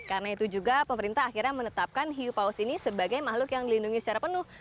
karena itu juga pemerintah akhirnya menetapkan hiupaus ini sebagai makhluk yang dilindungi secara penuh